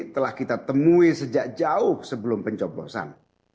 telah kita temui sejak jauh sebelum pencoblosan